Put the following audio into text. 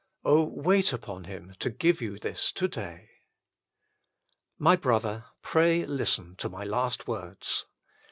wait upon Him to give you this to day ! My brother, pray listen to my last words.